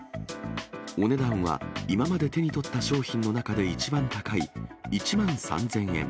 お値段は今まで手に取った商品の中で一番高い１万３０００円。